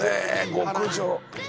「極上」